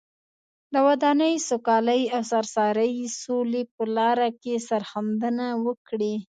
د ودانۍ، سوکالۍ او سراسري سولې په لاره کې سرښندنه وکړي.